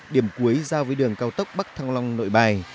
điểm cuối giao với đường cao tốc bắc thăng long nội bài